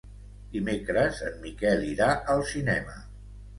Dimecres en Miquel irà al cinema.